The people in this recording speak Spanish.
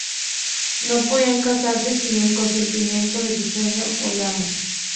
No podían casarse sin el consentimiento de su señor o lama.